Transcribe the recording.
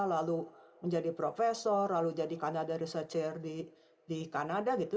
lalu menjadi profesor lalu menjadi researcher di kanada